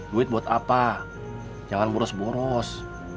duit buat apa jangan boros boros